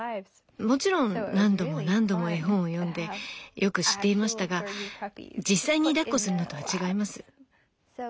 もちろん何度も何度も絵本を読んでよく知っていましたが実際にだっこするのとは違います。